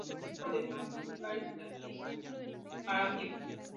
Es hijo de Juan Olivares Tapia y María Marambio.